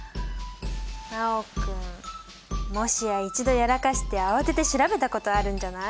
真旺君もしや一度やらかして慌てて調べたことあるんじゃない？